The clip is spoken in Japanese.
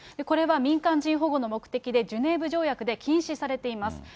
これは民間人保護の目的でジュネーブ条約で禁止されています。